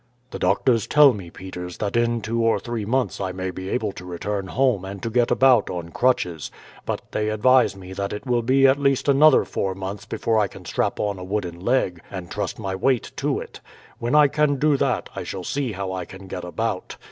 "The doctors tell me, Peters, that in two or three months I may be able to return home and to get about on crutches; but they advise me that it will be at least another four months before I can strap on a wooden leg and trust my weight to it. When I can do that, I shall see how I can get about.